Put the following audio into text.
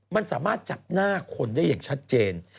มันสามารถจับหน้าคนได้อย่างชัดเจน